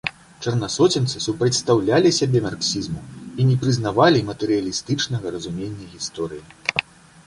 Чарнасоценцы супрацьстаўлялі сябе марксізму і не прызнавалі матэрыялістычнага разумення гісторыі.